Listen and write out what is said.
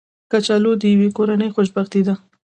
کچالو د یوې کورنۍ خوشبختي ده